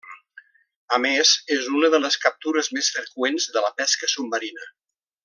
A més, és una de les captures més freqüents de la pesca submarina.